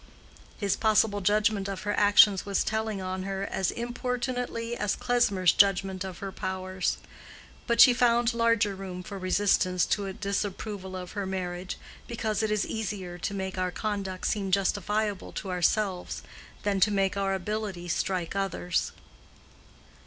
His possible judgment of her actions was telling on her as importunately as Klesmer's judgment of her powers; but she found larger room for resistance to a disapproval of her marriage, because it is easier to make our conduct seem justifiable to ourselves than to make our ability strike others.